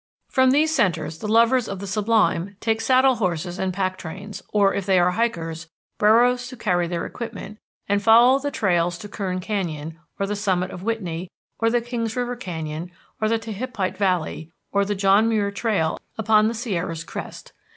From these centres the lovers of the sublime take saddle horses and pack trains, or, if they are hikers, burros to carry their equipment, and follow the trails to Kern Canyon, or the summit of Whitney, or the Kings River Canyon, or the Tehipite Valley, or the John Muir Trail upon the Sierra's crest.